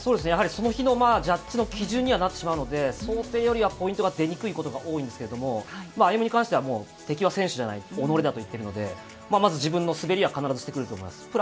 その日のジャッジの基準にはなってしまうので想定よりはポイントが出にくいことが多いんですけど歩夢に関しては、敵は選手じゃないおのれだといっているので、まず自分の滑りは必ずしてくると思います。